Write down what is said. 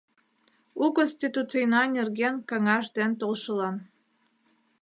У Конституцийна нерген каҥаш ден толшылан